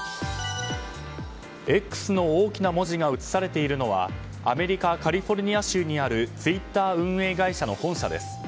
「Ｘ」の大きな文字が映されているのはアメリカカリフォルニア州にあるツイッター運営会社の本社です。